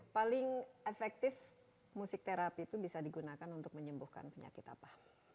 paling efektif musik terapi itu bisa digunakan untuk menyembuhkan penyakit apa